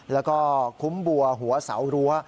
แล้วก็คุ้มบัวหัวเสารั้ว